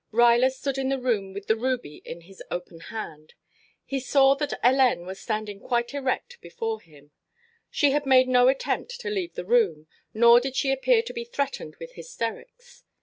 Ruyler stood in the room with the ruby in his open hand. He saw that Hélène was standing quite erect before him. She had made no attempt to leave the room, nor did she appear to be threatened with hysterics.